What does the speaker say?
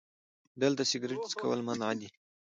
دلته سیګار څکول منع دي🚭